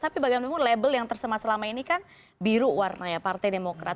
tapi bagaimanapun label yang tersemas selama ini kan biru warna ya partai demokrat